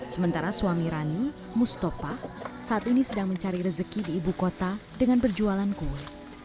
sementara suami rani mustafa saat ini sedang mencari rezeki di ibu kota dengan berjualan kue